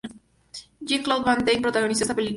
Jean-Claude Van Damme protagonizó esta película.